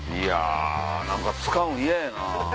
何か使うん嫌やな。